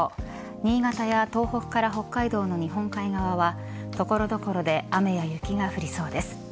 新潟や東北から北海道の日本海側は所々で雨や雪が降りそうです。